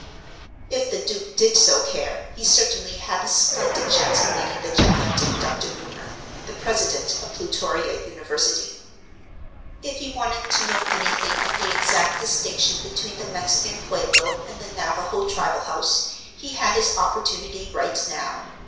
If the Duke did so care, he certainly had a splendid chance in meeting the gigantic Dr. Boomer, the president of Plutoria University. If he wanted to know anything of the exact distinction between the Mexican Pueblo and the Navajo tribal house, he had his opportunity right now.